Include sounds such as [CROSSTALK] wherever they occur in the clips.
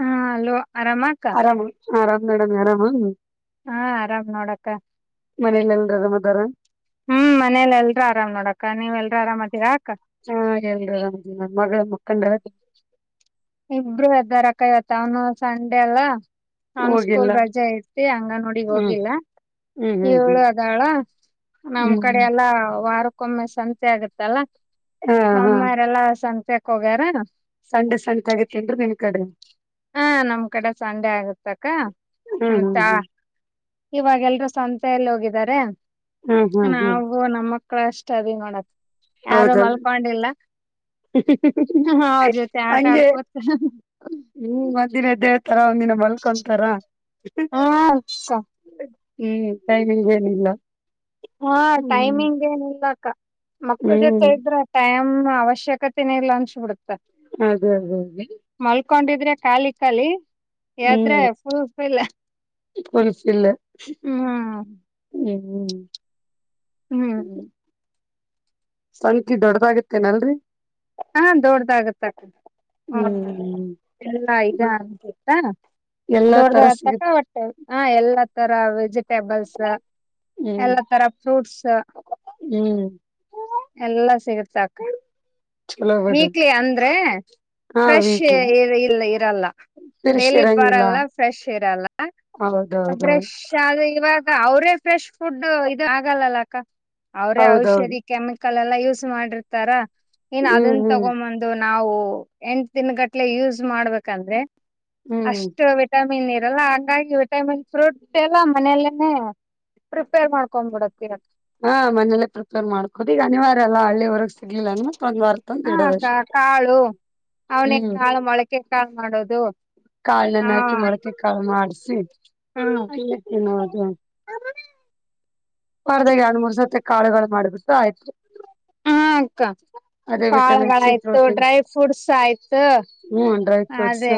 ಹಾ ಅಲ್ವಾ ಆರಾಮಾ ಅಕ್ಕಾ ಆರಾಮ ಆರಾಮ್ ನೋಡ್ ಅಮ್ಮೀ ಆರಾಮ ಹಾ ಆರಾಮ್ ನೋಡಕ್ಕ ದರಾ ಹ್ಮ್ ಮನೇಲ ಎಲ್ರೂ ಆರಾಮ್ ನೋಡಕ್ಕ ನೀವ್ ಎಲ್ರೂ ಆರಾಮದೀರಾ ಅಕ್ಕಾ ಕಂಡ್ರಾ ಇಬ್ರು ಎದ್ದಾರಕ್ಕ ಇವತ್ ಅವದ್ನು ಸಂಡೆ ಅಲ್ಲಾ ನಾನು ಹೋಗಿಲ್ಲ ಸ್ಕೂಲ್ ರಜೆ ಐತಿ ಅಂಗನೋಡಿಗ್ ಹ್ಮ್ ಹೋಗಿಲ್ಲಾ ಹ್ಮ್ ಹ್ಮ್ ಇವಳು ಹ್ಮ್ ಅದಾಳಾ ನಮ್ ಹ್ಮ್ ಕಡೆ ಎಲ್ಲಾ ವಾರ್ ಕ್ಕೊಮ್ಮೆ ಸಂತೆ ಆಗತ್ತಲ್ಲಾ ಹಾ ಹಾ ಮಮ್ಮೆರೆಲ್ಲಾ ಸಂತ್ ತೀಕ್ಹೋಗ್ಯರಾ ಸಂಡೆ ಸಂತ್ ಆಗೈತೆನ್ರಿ ನಿಮ್ ಕಡೆ ಹಾ ನಮ್ ಕಡೆ ಸಂಡೆ ಆಗತ್ತಕ್ಕ ಹ್ಮ್ ಮಮತ್ತ ಹ್ಮ್ ಹ್ಮ್ ಇವಾಗೆಲ್ರು ಸಂತೆಯಲ್ಲಿ ಹೋಗಿದರೆ ಹ್ಮ್ ಹ್ಮ್ ಹ್ಮ್ ನಾವು ನಮ್ಮ ಮಕ್ಕಳ್ ಅಷ್ಟ ಅದಿವ್ ನೋಡ ಆಕ್ ಯಾರು ಹೌದಲ್ರಿ ಮಲ್ಕೊಂಡಿಲ್ಲ ಹ್ ಹ್ ಅವ್ರ ಜೊತೆ ಆಟಾ ಹಂಗೆ ಆಡ್ಕೋತ ದಿನಾ ಟೆ ತರಾ ಒಂದಿನ ಮಲ್ಕೊಂತಾರ ಹಾ ಅಕ್ಕ ಹ್ಮ್ ಟೈಮಿಂಗ್ ಏನಿಲ್ಲ ಹಾ ಹ್ಮ್ ಟೈಮಿಂಗ್ ಏನಿಲ್ಲಾ ಆಕ್ ಅಕ್ಕಾ ಮಕ್ಕಳ ಹ್ಮ್ ಜೊತೆ ಇದ್ರ ಟೈಮ್ ಹ್ಮ್ ಅವಶ್ಯಕತೆನೇ ಇಲ್ಲ ಅನ್ಸಬಿಡ್ತ ಹ್ಮ್ ಅದದ ದೇ ಮಲ್ಕೊಂಡಿದ್ರೆ ಖಾಲಿ ಖಾಲಿ ಏದ್ರೇ ಫುಲ್ ವಿಲ್ಲಾ ಪಲಸ್ಲಿಲ್ಲಾ ಹ್ಮ್ ಹ್ಮ್ ಹ್ಮ್ ಸಂಖ್ಯೆ ದೊಡ್ಡದಾಗತ್ತೇನಲ್ರಿ ಹಾ ದೊಡ್ದಾಗತ ಅಕ್ಕ ಹ್ಮ್ ಎಲ್ಲ ಇದ ಅನ್ಸುತ್ತಾ ಎಲ್ಲಾ ತರ ದೊಡ್ದಾಗತಕ್ಕ ಸಿಗುತ್ ಒಟ್ಟೆ ಹ ಎಲ್ಲ ತರ ವೆಜಿಟೇಬಲ್ಸ್ ಹ್ಮ್ ಎಲ್ಲ ತರ ಫ್ರೂಟ್ಸ್ ಸ ಹ್ಮ್ ಎಲ್ಲಾ ಸಿಗತ್ತ ಅಕ್ಕ ಚಲೋ ಬಿಡು ವೀಕ್ಲಿ ಅಂದ್ರೆ ಹಾ ಫ್ರೆಶ್ ಇ ವೀಕ್ಲಿ ಇರಲ್ಲ ಡೇಲಿ ಬಿರ್ಸಿರಂಗಿಲ್ಲ ಬರಲ್ಲ ಫ್ರೆಶ್ ಇರಲ್ಲ ಹೌದೌದು ಫ್ರೆಶ್ ಆದ ಇವಾಗ ಅವ್ರೇ ಫ್ರೆಶ್ ಫುಡ್ ಇದ ಆಗಲ್ಲಲ್ಲ ಅಕ್ಕ ಅವರೇ ಹೌದೌದು ಔಷಧಿ ಕೆಮಿಕಲ್ ಲ್ಲ ಯೂಸ್ ಮಾಡಿರ್ತಾರಾ ಇನ್ನ ಹ್ಮ್ ಅದನ ಹ್ಮ್ ತಗೊಂಬಂದು ನಾವು ಎಂಟ ದಿನ ಗಟ್ಲೆ ಯೂಸ್ ಮಾಡ್ಬೇಕಂದ್ರೆ ಹ್ಮ್ ಅಷ್ಟು ವಿಟಮಿನ್ ಇಲ್ಲ ಲ್ಲ ಹಾಗಂಗಾಗಿ ವಿಟಮಿನ್ ಫ್ರೂಟ್ ಎಲ್ಲ ಮನೆಯಲ್ಲೇನೆೇ ಪ್ರಿಪೇರ್ ಮಾಡ್ಕೊಂಡ್ ಬಿಡ್ತೀವಿ ಅಕ್ಕ ಹಾ ಮನೇಲ್ಲೇ ಪ್ರಿಪೇರ್ ಮಾಡ್ಕೋದು ಈಗ ಅನಿವಾರ್ಯಲ್ಲ ವರೆಗ ಸಿಗ್ಲಿಲ್ಲ ಮತ್ತ ಒಂದ್ ವಾರದ ತನಕ ಇಡೋದ ಹ ಕಾಳು ಅಷ್ಟೇ ಅವನೇ ಹ್ಮ್ ಕಾಳು ಮೊಳಕೆ ಕಾಳು ಮಾಡೋದು ಕಾಳ ಹಾ ನೆನಿಹಾಕಿ ಮೊಳಕೆ ಕಾಳ ಮಾಡಸಿ ಹ್ಮ ಅಲ್ಲೇ ತಿನ್ನೋದು ವರದಾಗ ಎರಡ ಮೂರ ಸತ್ತ ಕಾಳುಗಳ ಮಾಡಿತರ ಹ ಅಕ್ಕ ಅದೇ ವಿಟಮಿನ್ಸ್ ಕಾಳುಗಳಯ್ತು ಪ್ರೋಟೀನ್ಸ್ ಡ್ರೈ ಫ್ರೂಟ್ಸ್ ಆಯ್ತ ಹ್ಮ್ ಡ್ರೈ ಫ್ರೂಟ್ಸ್ ಅದೇ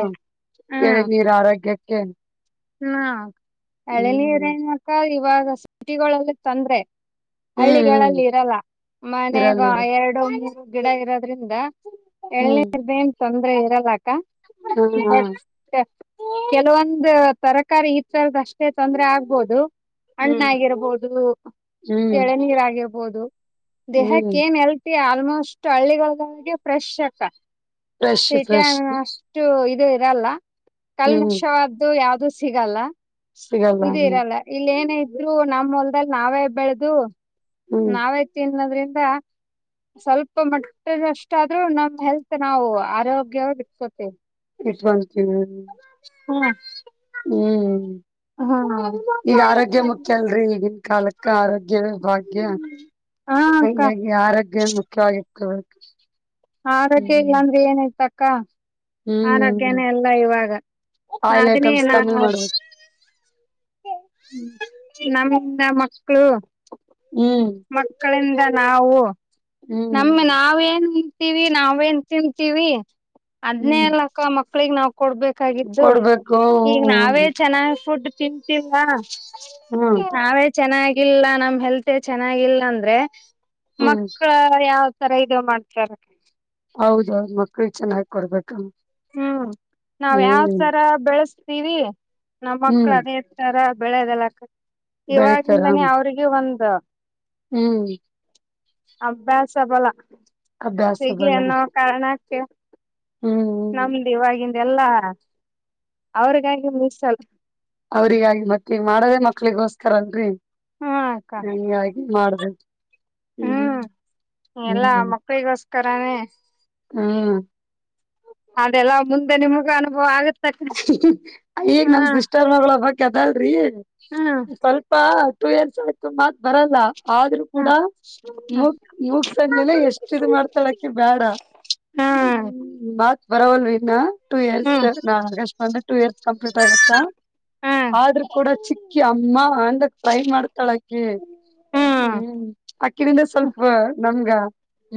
ಹ ಎಳನೀರ್ [UNINTELLIGIBLE] ಹ ಎಳನೀರ ಹ್ಮ್ ಏನ್ ಅಕ್ಕ ಇವಾಗ ಸಿಟಿಗಳಲ್ಲ ತಂದ್ರೆ ಹ್ಮ್ ಹ್ಮ್ ಹಳ್ಳಿಗಳಲ್ಲಿ ಇರಲ್ಲ ಮನೆಗ ಇರಲ್ಲ ಇರಲ್ಲ ಎರಡು ಮೂರು ಗಿಡ ಇರೋದ್ರಿಂದ ಹ್ಮ್ ಎಳನೀರದ ಏನ್ ತೊಂದ್ರೆ ಇರಲ್ಲ ಅಕ್ಕ ಹ್ಮ್ ಹ್ಮ್ ಬಟ್ ಕೆಲವೊಂದ ತರಕಾರಿ ಈ ತರದ ಅಷ್ಟೇ ತೊಂದರೆ ಆಗ್ಬೋದು. ಹ್ಮ್ ಹಣ್ಣಗಿರ್ಬೋದು ಹ್ಮ್ ಏಳನೀರಗಿರ್ಬೋದು. ಬೊದು. ದೇಹಕ್ ಹ್ಮ್ ಏನ್ ಎಲ್ಪಿಯ ಆಲ್ಮೋಸ್ಟ್ ಹಳ್ಳಿಗಳ್ಗಾಗಿ ಫ್ರೆಶ್ ಅಕ್ಕ. ಫ್ರೆಶ್ ಸಿಟಿ ಫ್ರೆಶ್ ಅಂಗ್ ಅಷ್ಟು ಇ ತೆ ಇರಲ್ಲ. ಹ್ಮ್ ಕಲ್ಮಶವದ್ದು ಯಾವ್ ಸಿಗಲ್ಲ. ಸಿಗಲ್ಲ ಇದು ಇರಲ್ಲ ಇಲ್ ಏನೆ ಇ ಇರು ನಮ್ ಹೊಲ್ದಾಗ್ ನಾವೇ ಬೆಳ್ದು. ಹ್ಮ್ ನಾವೆ ತಿನ್ನದ್ರೆನ್ ದ ಸ್ವಲ್ಪ ಮಟ್ಟಗಷ್ಟಾದ್ರೂ ನಮ್ ಹೆಲ್ತ್ ನಾವು ಆರೋಗ್ಯವಾಗ್ ಇಟ್ಕೋತೀವಿ. ಇಟ್ವಲ್ತಿಯೋರಿ. ಹುವಾ. ಹ್ಮ್ ಈಗ ಆರೋಗ್ಯ ಮುಖ್ಯ ಅಲ್ರಿ ಈಗಿನ್ ಕಾಲಕ್ಕ ಆರೋಗ್ಯವೆ ಭಾಗ್ಯ ಹಾ ಅಕ್ಕ ಹಾಗಾಗಿ ಆರೋಗ್ಯ ಮುಖ್ಯವಾಗಿ. ಕವಳ್ಕಿ. ಆರೋಗ್ಯ ಇಲ್ಲಾ ಅಂದ್ರೆ ಏನಾಯ್ತಕ್ ಕಾ. ಹ್ಮ್ ಆರೋಗ್ಯನೇ ಎಲ್ಲ ಇವಾಗ ನ ಆಯಿಲ್ ಅದನ್ನೇ ಐಟಮ್ಸ್ ನಾನು ಕಮ್ಮಿ ಮಾಡ್ಬೇಕು ನನ್ ಇನ್ನ ಮಕ್ಳು. ಹ್ಮ್ ಮಕ್ಕಳಿಂದ ನಾವು. ಹ್ಮ್ ನಮ್ಮ ನಾವೇನ್ ಇಡ್ತೀವಿ ನಾವೇನ್ ತಿಂ ತೀವಿ. ಅದ್ನೆ ಹ್ಮ್ ಅಲಕಾ ಮಕ್ಳಿಗ್ ನಾವ್ ಕೊಡ್ಬೇಕಾಗಿದ್ದು ಕೊಡ್ಬೇಕು ಈಗ್ ನಾವೇ ಹ್ಮ್ ಚೆನ್ನಾಗ್ ಫುಡ್ ಚಿಂತಿಲ್ಲಾ. ಹ್ಮ್ ನಾವೇ ಚೆನ್ನಾಗ್ ಇಲ್ಲ ನಮ್ ಹೆಲ್ತ್ ಚೆನ್ನಾಗಿಲ್ಲ ಅಂದ್ರೆ. ಹ್ಮ ಯಾವ್ತರ ಇದ್ಯೋ ಮಾಡ್ತರೆ. ಹೌದೌದ್ ಮಕ್ಳಿಗ್ ಚೆನ್ನಾಗ್ ಕೊಡ್ಬೇಕಂ. ಹ್ಮ್ ನಾವ್ ಯಾವ್ ತರ ಬೆಳಸ್ ತಿವಿ. ನಮ್ ಮಕ್ಳ ಹ್ಮ್ ಅದೆತರ ಬೆಳೆದೆಲ್ಲಾಕ ಬೆಳಿತಾರ ಇವವಾಗಿಂದಾನೇ ಅವ್ರಿಗೆ ಒಂದ ಸ [UNINTELLIGIBLE] ಹ್ಮ್ ಅಭ್ಯಾಸ ಬಲ ಅಭ್ಯಾಸ ಹಗೆ ಬಲ ಅನ್ನೋ ಕಾರಣಕ್ಕೆ ಹ್ಮ್ ನಮ್ದೇ ಇವಗಿಂದ ಎಲ್ಲಾ ಅವರಿಗಾಗಿ ಮೀಸಲು ಅವ್ರಿಗಾಗಿ ಮತ್ತ ಈಗ ಮಾಡದೇ ಮಕ್ಳಿಗೋಸ್ಕರ ಅಲ್ರರಿ ಹ್ಮ ಅಕ್ಕ ಹ [UNINTELLIGIBLE] ಆಯ್ತು ಮಾಡಬೇಕು ಹ್ಮ್ ಎಲ್ಲಾ ಮಕ್ಕಳಿಗೋಸ್ಕರನೇ ಹ್ಮ್ ಅದೆಲ್ಲ ಮುಂದೆ ನಿಮಗೂ ಅನುಭವ ಆಗುತ್ತೆ ಈಗ ನಮ ದಷ್ಟರ್ಮಳ ಬಕ್ [UNINTELLIGIBLE] ಕದಲ್ರಿ ಹ್ಮ್ ಸ್ವಲ್ಪ ಟು [UNINTELLIGIBLE] ಎರ್ಸ್ ಮಾತ್ ಬರಲ್ಲ ಆದ್ರೂ ಕೂಡ ಹ್ಮ್ ಮುಗ ಮೂಗಸಣ್ಮಲೆ ಎಷ್ಟ ಇ [UNINTELLIGIBLE] ಮಾಡ್ತಾಳಕ ಬೇಡ ಹ್ಮತ್ ಪರವಾಗಿಲ್ಲ ವಿನ ಟು ಹ್ಮ್ ಇಯರ್ಸ್ ಒಂದು ಟೂ ಇಯರ್ಸ್ ಕಂಪ್ಲೀಟ್ ಆಗತ್ತ ಆದ್ರೂ ಕೂಡ ಚಿಕ್ಕಿ ಅಮ್ಮ ಅಂದ ಫ್ರೈ ಮಾಡ್ತಾಳ ಅಕ್ಕಿ ಹ್ಮ್ ಹ್ಮ್ ಹ್ಮ ಹ್ಮ್ ಅಕ್ಕಿನಿಂದ ಸ್ವಲ್ಪ ನ ಹಂಗ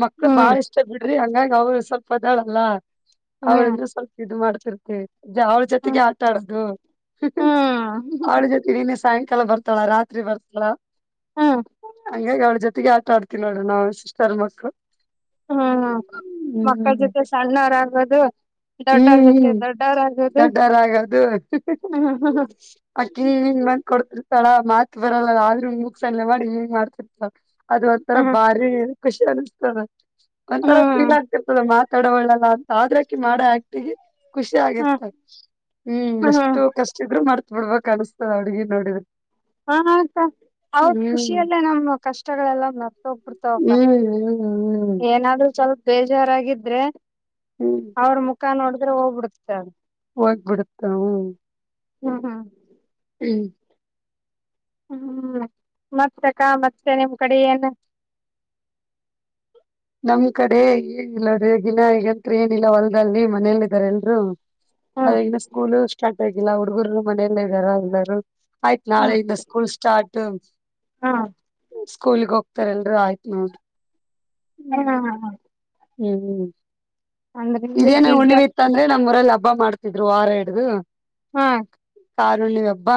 ಮಕ್ಳ ಬಾಳ ಹ್ಮ್ ಇಷ್ಟ ಬಿಡ್ರಿ ಹಂಗಂಗ ಅವ್ರು ಸ್ವಲ್ಪ ದಳ ಲಾ [UNINTELLIGIBLE] ಹ್ಮ್ ಅವಳಿಂದ ಸ್ವಲ್ಪ ಇ ಮಾಡ್ತ ತ [UNINTELLIGIBLE] ಅವಳ ಜೊತೆಗೆ ಹ್ಮ್ ಆಟಾಡದು ಹ್ಮ್ ಅವಳ ಜೊತೆಗೆನ್ನ ಸಾಯ ಕಲ್ಲ ಬರ್ತಾಳ ರಾತ್ರಿ ಬರ್ತಳ ಹಾ [UNINTELLIGIBLE] ಹಂಗಗೆ ಅವಳ ಜೊತೆಗೆ ಆಟ ಆಡ್ತಿಲ್ಲಾಳ ನಾವು ಸಿಸ್ಟರ್ ಮಕ್ಕಳು ಹ್ಮ್ ಹ್ಮ ಮಕ್ಕಳ ಜೊತೆ ಸಣ್ಣಾರ್ ಆಗೋದು ದೊಡ್ಡರ್ ಹ್ಮ್ ಜೊತೆ ಹ್ಮ್ ದೊಡ್ಡ ದೊಡ್ಡರಾಗದು ಹ್ಮ್ ಅಕ್ಕನ್ ಹನ್ ಬಂದ್ ಕೊಡ್ತ ಸ್ಥಳ ಮಾತ್ ಬರಲ್ಲ ಆದ್ರೂ ಹಂಗ್ ಮುಕ್ಸಲ್ಲೆ ಮಾಡಿ ಹಂಗ್ ಮಾಡ್ತಿತ್ತ ಅದ್ ಒಂಥರ ಹ್ಮ್ ಬಾರಿ. ಖುಷಿ ಅನ್ಸ್ತದ. ಒಂತರ ಫೀಲ್ ಹ್ಮ್ ಆಗ್ತಿರ್ತದೆ ಮಾತ್ ತಡವಳ್ಳಲ್ಲ ಅಂತ ಆದ್ರಕಿ ಮಾಡ ಆಕ್ಟಿಗಿ. ಖುಷಿ ಹ್ಮ್ ಆಗಿರ್ತಾರ್ ಹ್ಮ್ ಎಷ್ಟು ಕಷ್ಟ ಇದ್ರು ಮರ್ ನೋಡ್ಬಕ್ ಅನ್ಸ್ತದ ಅಡ್ಗಿ ನೋಡಿದ್ರೆ. ಹಾ ಹ ಸ ಅವ್ರ್ ಹ್ಮ್ ಖುಷಿಯಲ್ಲೇ ನಮ್ ಕಷ್ ಷ್ಟಗಳೆಲ್ಲ ನ ತೊಗ್ಬಿಡ್ತವಕ್ಕ ಹ್ಮ್ ಹ್ಮ್ ಹ್ಮ್ ಏನಾದ್ರು ಚೊಲ್ಪ್ ಬೇಜಾರಾಗಿದ್ರೆ. ಹ್ಮ್ ಅವ್ರ್ ಮುಕ್ ಕ ನೋಡದ್ರೆ ಹೋಗ್ ಬಿಡುತ್ತ. ಹೊಗ್ಬಿಡುತ್ತ ಹ್ಮ್. ಹ್ಮ ಹಾ. ಹ್ಮ್ ಹ್ಮ್ ಮತ್ ಅಕ್ಕಾ ಮತ್ತೆ ನಿಮ್ ಕಡಿ ಏನ್. ನಮ್ ಕಡೆ ಏನಿಲ್ಲ ರೇಗಿನ ಈಗ್ ಎದ್ರೆ ಏನಿಲ್ಲ ಹೊಲ್ದಲ್ಲಿ ಮನೇಲಿದಾರ್ ಎಲ್ರು. ಹ್ಮ ಅದೆ ಇನ್ನ ಸ್ಕೂಲು ಸ್ಟಾರ್ಟ್ ಆಗಿಲ್ಲ ಹುಡ್ಗುರು ಮನೆ ಎಳ್ಳೆ ಇದಾರ ಎಲ್ಲರೂ. ಆಯ್ತ ನಾಳೆ ಹ್ಮ್ ಇಂದ ಸ್ಕೂಲ್ ಸ್ಟಾರ್ಟು. ಹ್ಮ್ ಸ್ಕೂಲ್ಗ್ ಹೋಗ್ತಾರ್ ಎಲ್ರು ಆಯ್ತ ನೋಡ್ರ್. ಹ್ಮ್ ಹ್ಮ್ ಹ್ಮ್. ಅಂದ್ರೆ ನೀವು ಇದೇನ ಬ್ಯುಸಿ ಹುಣ್ಣಿ ಆಗ್ತ ಇತ್ತಂದ್ರೆ ನಮ್ಮೂರಲ್ ಅಬ್ ಹಬ್ಬ ಮಾಡ್ತಿದ್ರು ವಾರ ಹಿಡ್ದು. ಹಾ ತಾರುಣಿ ಹಬ್ಬ.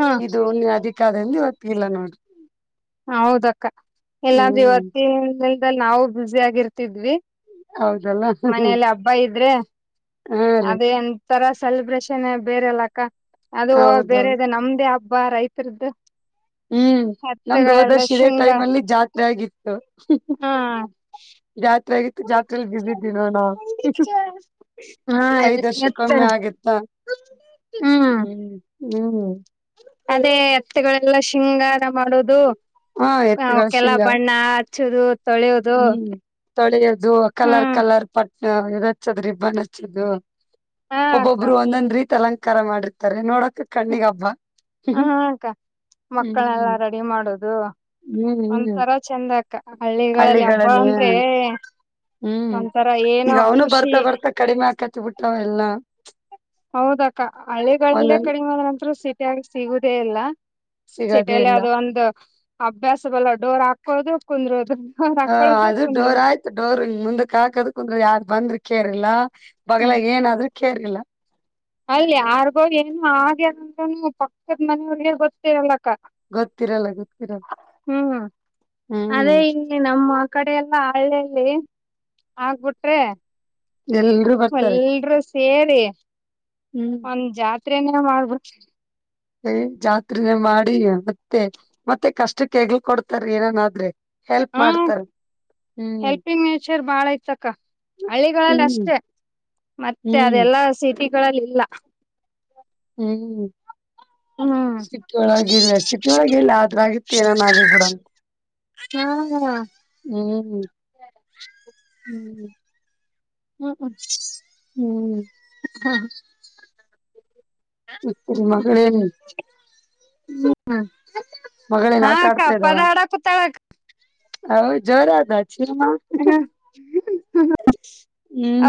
ಹಾ ಇದು ಹುಣ್ಣಿ ಅದಿ ಕದಿಲ್ಲಿ ಇವತ್ಗ್ ಇಲ್ಲ ನೋಡ್. ಹೌದಕ್ಕ ಇಲ್ಲಂದ್ರೆ ಹ್ಮ್ ಇವತ್ತೆ. [UNINTELLIGIBLE] ದಲ್ ನಾವು ಬಿಝಿ ಆಗ್ ಇರ್ತಿದ್ವಿ. ಹೌದಲ್ಲ ಮನೇಲಿ ಹಬ್ಬ ಇದ್ರೆ ಹಾ ರೀ ಅದೇ ಅಂ ತರಾ ಸೆಲೆಬ್ರೇಷನ್ನೆ ಬೇರೆ ಎಲ್ಲಾಕ್ಕ. ಅದು ಹೌದೌದು ಬೇರೆದೆ ನಮ್ದೇ ಹಬ್ ಬಾ ರೈತರದ್ದ. ಹ್ಮ್ ನಮ್ದ ದೋದರ್ಶ ಇದೇ ಟೈಮ್ ಶೃಂಗಾರ ಅಲ್ಲಿ ಜಾತ್ರೆ ಆಗಿತ್ತು ಹಾ ರಾತ್ರಿ ಆಗಿತ್ತು ಜಾತ್ಲಿ ಬಿಸಿದ್ದನೋ ನಾ ಹಾ ಐದ್ ವರ್ಷ ಎತ್ತ ಕಮ್ಮಿ ಆಗತ್ತ ಹ್ಮ್ ಹ್ಮ್ ಅದೇ ಹತ್ತಿಗಳೆಲ್ಲ ಶೃಂಗಾರ ಮಾಡೋದು ಹಾ ಎತ್ತುಗಳ ಹಕಲ್ಲ [UNINTELLIGIBLE] ಶೃಂಗಾರ ಬಣ್ಣ ಚದು [UNINTELLIGIBLE] ಹ್ಮ್ ತೊಳೆಯೋದು ಕಲರ್ ಹ್ಮ್ ಕಲರ್ ಪಟ್ಟ ಹಾ ಎ [UNINTELLIGIBLE] ಹಚ್ಚದ್ರ ಇಬ್ಬನ್ ಹಚ್ಚದು ಹ ಅಕ್ಕ ಒಬ್ಬೊಬ್ರು ಒಂದೊಂದ್ ರೀತಿ ಅಲಂಕಾರ ಕಾರ ಮಾಡಿರ್ತಾರೆ ನೋಡ ಹ್ಮ ಹಕ್ಕ ಮಕ್ಕಳೆಲ್ಲಾ ಹ್ಮ್ ರೆಡಿ ಮಾಡುದು ಅದು ಒಂ ಹ್ಮ್ ತರ ಚಂದ ಆಗ್ತ ಹಳ್ಳಿಗಳಲ್ಲಿ ಹಬ್ಬ ಅಂದ್ರೆ ಹ್ಮ್ ಒಂಂತರ ಏನೋ ಖುಷಿ ಕುತ್ತುಬಟ್ಟಾವ ಎಲ್ಲ ಹೌದಕ್ಕ ಹಳ್ಳಿಗಳಲ್ಲೇ ಒಂದೊಂದ್ ಕಡಿಮೆ ಆದ ನಂತರ ಸಿಟಿಯಾಗಿ ಸಿಗುದೇ ಇಲ್ಲ ಸಿಗದೇ ಸಿಟಿಯಲ್ಲಿ ಇಲ್ಲ ಅದು ಒಂದು ಅಭ್ಯಾಸ ಬಲ್ಲ ಡೋರ್ ಹಾಕೋದು ಕುಂದ್ರೋದು ಡೋರ್ ಹ ಹಾಕೊಳ್ಳೋದು ಅದು ಕುಂದ್ರೋದು ಡೋರ್ ಆಯ್ತು ಡೋರ್ ಮುಂದಕ್ ಹಾಕದ ಕುಂದ್ರ ಯಾರ್ ಬಂದ್ರಿ ಕೇರಳ ಬಗ್ಲ ಹ್ಮ್ ಏನಾದ್ರೂ ಕೇಡಗಾಲ ಅಲ್ಲಿ ಯಾರಿಗೋ ಏನು ಆಗ್ಯಾರಂದ್ರನು ಪಕ್ಕದ ಮನೆಯವ್ರಿಗೆ ಗೊತ್ತರಲ್ಲಕ್ಕ ಗೊತ್ತಿರಲ್ಲ ಗೊತ್ತಿರಲ್ಲ ಹ್ಮ್ ಅದೇ ಹ್ಮ್ ಇಲ್ಲಿ ನಮ್ಮ ಕಡೆ ಎಲ್ಲ ಹಳ್ಳಲ್ಲಿ [INAUDIBLE] [INAUDIBLE] ಎಲ್ರೂ ಬರ್ತಾರೆ ಎಲ್ರರು ಸೇರಿ ಹ್ಮ್ ಒಂದ್ ಜಾತಿ [UNINTELLIGIBLE] ರೇನ ಮಾಡ್ಬ [INAUDIBLE] ಏ ಜಾತ್ನ ಮಾಡಿ ಮತ್ತೆ ಮತ್ತೆ ಕಷ್ಟಕ್ಕೆ ಹೆಗ್ಲ್ ಕೊಡ್ತಾರ ಏನನಾದ್ರೆ [UNINTELLIGIBLE] ಹಾ ಮಾಡ್ತಾರ ಹ್ಮ್ ಹೆಲ್ಪಿಂಗ್ ನೇಚರ್ ಬಾಳ ಇತಕ್ಕ ಹಳ್ಳಿಗಳಲ್ಲಿ ಹ್ಮ್ ಅಷ್ಟೆ ಮತ್ತೆ ಹ್ಮ್ ಅದೆಲ್ಲಾ ಸಿಟಿ [UNINTELLIGIBLE] ಗಳಲ್ಲಿಲ್ಲ [UNINTELLIGIBLE] ಹ್ಮ್ [UNINTELLIGIBLE] ಹ್ಮ್ ಸಿಟ್ಟಿ ಒಳಗ ಇಲ್ಲ ಸಿಟ್ಟಿೊಳಗ ಇಲ್ಲ ಆದ್ರಗತ್ತು ಏನನ್ ಆಗರ್ಬಿಡಂತ ಹಾ ಹ್ಮ್ [UNINTELLIGIBLE] ಹ್ಮ್ ಹ್ಮ್ [UNINTELLIGIBLE] ಹ್ಮ್ ಹ್ಮ್ [INAUDIBLE] ಹ್ಮ್ [UNINTELLIGIBLE] ಹ್ ನಿಮ್ ಜಿ ಮಗಳೆನ್ ಹ್ಮ ಹ್ಮ ಹಾ ಆಟ ಅಕ್ಕಾ ಆಡ್ತಾ ಪದಾ ಹಾಡಕ್ ಕುತ್ತಳ ಅಕ್ಕಾ ಹೌ ಜೋರ್ ಆದಳ ಹ ಹ್ಮ್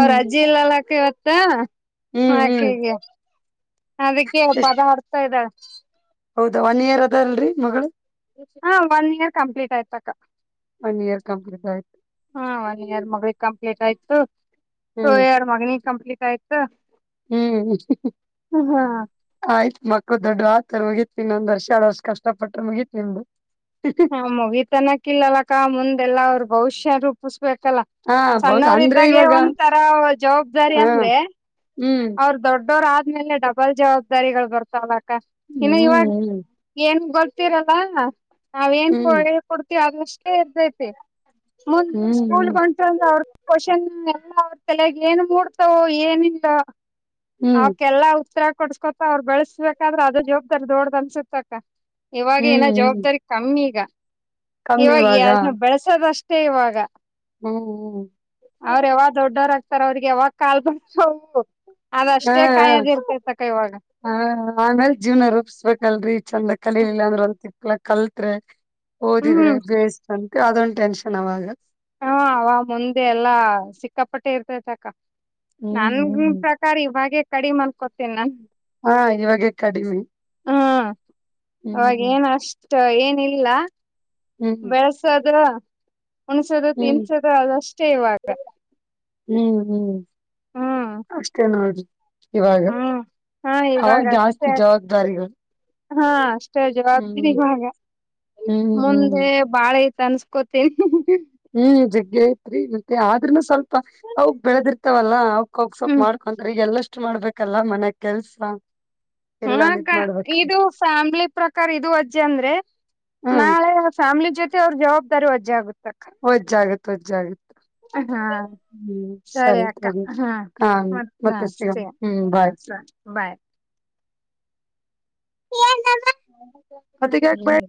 ಅವ್ರ ಅಜ್ಜಿ ಇಲ್ಲಲ್ ಅಕ್ಕ ಇವತ್ ತ ಅ ಹ್ಮ್ ಹ್ಮ್ ಆಕೆಗೆ ಅದಕ್ಕೆ ಎಷ್ಟ್ ಪದಾ ಹಾಡ್ತಾ ಇದಾಳ್ ಹೌದಾ ಒನ್ ಇಯರ್ ಅದಾ ಅಲ್ರಿ ಮಗಳು ಹಾ ಒನ್ ಇಯರ್ ಕಂಪ್ಲೀಟ್ ಆಯ್ತು ಅಕ್ಕಾ ಒನ್ ಇಯರ್ ಕಂಪ್ಲೀಟ್ ಆಯ್ತು ಹಾ ಒನ್ ಇಯರ್ ಮಗಳಿಗ ಕಂ ಕಂಪ್ಲೀಟ್ ಆಯ್ತು ಸೊ ಹ್ಮ್ ಇಯರ್ ಮಗನಿಗ್ ಕಂಪ್ಲೀಟ್ ಆಯ್ತ್ ಹ್ಮ್ ಹ್ ಹ್ ಆಯ್ತ್ ಮಕ್ಕಳ ದೊಡ್ಡು ಆತ್ ಮುಗಿತ್ ಇನ್ ಒಂದ್ ವರ್ಷಾ ಎರಡ್ ವರ್ಷ ಕಷ್ಟಪಟ್ರ ಮುಗಿತ್ ನಿಂದು ಹ ಮುಗಿತ್ ಅನ್ನಕಿಲ್ಲಕ್ಕಾ ಮುಂದ್ ಎಲ್ಲಾ ಅವರದ್ ಬಹುಷ್ಯ ರೂಪುಷ್ ಬೇಕಲ್ಲಾ ಹಾ ಹೌದ್ ಸಣ್ಣವ್ರ ಅಂದ್ರೆ ಇದ್ದಾಗೆ ಇವಾಗ ಒಂದ ತರಾ ಜವಾಬ್ದಾರಿ ಹಾ ಅಂದ್ರೆ ಹ್ಮ್ ಅವರ್ ದೊಡ್ಡೋರ ಆತ್ ಇನ್ಮೇಲೆ ಡಬಲ್ ಜವಾಬ್ದಾರಿಗಳ ಬರ್ತಾವಲ್ಲ ಆಕ್ ಅಕ್ಕಾ ಇನ್ನು ಇವಾಗ್ ಹ್ಮ್ ಎನ್ ಗೊತ್ ಇರ್ತಿರಲ್ಲಾ ನಾವ್ ಏನ್ ಹ್ಮ್ ಕೋಳಿಗ್ ಕೊಡ್ ತಿ ಅದರಷ್ಟೇ ಇರ್ತೈತಿ ಮುಂದೆ ಸ್ಕೂಲ್ಗ್ ಹ್ಮ್ ಹ್ಮ್ ಹ್ಮ್ ಹೊಂಟ್ರಾ ಅಂದ್ರ ಅವರದೆ ಕೊ ಸ್ಕ್ವಾಷನ್ ಎಲ್ಲಾ ಅವ್ರ ತಲ್ಯಾಗ್ ಏನ್ ಮೂಡ್ತಾವೊ ಏನಿಲ್ಲಾ ಹ್ಮ್ ಅವಕ್ಕೆಲ್ಲಾ ಉತ್ರಾ ಕೊಡ್ಸ್ಕೊತಾ ಅವರ ಬೆಳಸ್ಬೇಕಾದ್ರ ಅದು ಜವಾಬ್ದಾರಿ ದೊಡ್ದ ಅನ್ಸತ್ತಕ್ಕಾ ಇವಾಗೆ ಹ್ಮ್ ಹಿನಾ ಹ್ಮ್ ಜವಾಬ್ದಾರಿ ಕಮ್ಮಿ ಈಗಾ ಕಮ್ಮಿ ಇವಾಗ ಎನ್ ಬೆಳಸೋದ ಅಷ್ಟ ಫ್ರೀ ಇವಾಗಾ ಹು ಹು. ಸರ್ ಅವ್ರಿಗೆ ಯಾವಾಗ್ ಕಾಲ್ ಬಂತೋ. ಹ ಇವಾಗ ಹ ಹ ಆಮೇಲ್ ಜೀವ್ನ ರೂಪಿಸ್ಬೇಕಲ್ರರಿ ಚಂದಕ್ ಕಲಿಲಿಲ್ಲ ಅಂದ್ರೆ ಒನ್ ಸಿಕ್ಲ ಕಲ್ತ್ರೆ. ಓದಿದ್ರೆ ಹ್ಮ್ ಬೇಸ್ಟ್ ಅಂ ಕ ಅದೊಂದ್ ಟೆನ್ಷನ್ ಅವಾಗ. ಹಾ ಅವ ಮುಂದೆ ಎಲ್ಲ ಸಿಕ್ಕಾಪಟ್ಟೆ ಇರ್ತೈತ್ ಅಕ್ಕ. ಹ್ಮ್ ನನ್ ಹ್ಮ್ ಪ್ರಕಾರ ಇವಾಗೆ. ಕಡಿಮ್ ಅಂದ್ಕೋತಿನ್ ನಾನ್ ಹಾ ಇವಾಗೇ ಕಡಿಮಿ ಹ್ಮ್. ಸೊ ಏನಿಲ್ಲ. ಹ್ಮ್ ಹ್ಮ್ ಬೆಳ್ಸದ್ರ. ಒಣ್ಸಾದಾದ್ ತಿನ್ ಹ್ಮ್ ಸದ ಆದಷ್ಟೇ ಇವಾಗ. ಹ್ಮ್ ಹ್ಮ್ ಹ್ಮ್ ಅಷ್ಟೇ ಹೌದು. ಇವಾಗ ಹ್ಮ್ ಹಾ ಅವಾಗ ಇವಾಗ ಜಾಸ್ತಿ ಅಷ್ಟೇ ಜವಾಬ್ದಾರಿಗಳ್. ಹಾ ಷ್ಟೆ ಜಾಸ್ತಿ ಇವಾಗ ಹ್ಮ್ ಹ್ಮ್ ಮುಂದೆ ಬಾಳ ಐತ್ ತನ್ಸ್ಕೋತೀನ್. ಡೇತ್ರಿ ಮತ್ತೆ ಆದ್ರುನು ಸ್ವಲ್ಪ್ ಪ ಅವುಕ್ ಬೆಳ್ದಿರ್ತವಲ್ಲ ಅವುಕ್ ಅವ್ ಸೊಲ್ಪ್ ಹ್ಮ್ ಮಾಡ್ಕೊಂತ್ರ ಈಗ್ ಎಲ್ಲಷ್ಟ್ ಮಾಡ್ಬೇಕು. ಕಲ್ಲ ಮನೆ ಕೆಲ್ಸ. ಹ್ಮ್ ಎಲ್ಲಾನು ಅಕ್ಕ ಇದ್ ಮಾಡ್ಬೇಕ್ರಿ ಇದು ಫ್ಯಾಮ್ಲಿ ಪ್ರಕಾರ ಇದು ಅಜ್ಜೆ ಅಂದ್ರೆ ಹ್ಮ್ ನಾಳೆ ಫ್ಯಾಮ್ಲಿ ಜೊತ್ ಟೆ ಅವ್ರ್ ಜವಾಬ್ದಾರಿ ವಜ್ಜಾಗುತ್ ಒಜ್ಜಾಗತ್ ತಜ್ ಆಗುತ್ ಹಾ ಸರಿ ಅಕ್ಕ ಹಾ ಮತ್ನ ಮತ್ತೆ ಸಿಗಮ್ ಸೇ ಹ್ಮ್ ಹಾ ಬಾಯ್ ಸರಿ ಬಾಯ್. ಅ ಟಿಕೆಟ್ ಬೈ